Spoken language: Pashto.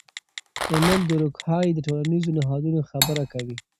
امیل دورکهایم د ټولنیزو نهادونو خبره کوي.